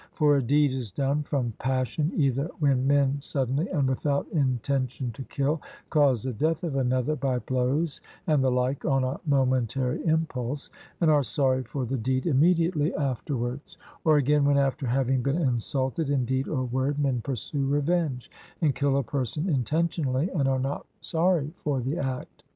For a deed is done from passion either when men suddenly, and without intention to kill, cause the death of another by blows and the like on a momentary impulse, and are sorry for the deed immediately afterwards; or again, when after having been insulted in deed or word, men pursue revenge, and kill a person intentionally, and are not sorry for the act.